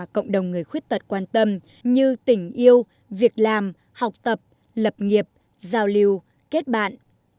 cộng đồng người khuyết tật quan tâm như tình yêu việc làm học tập lập nghiệp giao lưu kết bạn